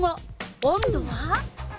温度は？